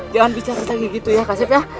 jangan bicara lagi gitu ya kasip ya